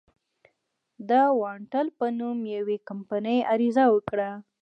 د اوانټل په نوم یوې کمپنۍ عریضه وکړه.